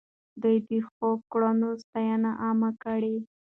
ده د ښو کړنو ستاينه عامه کړه.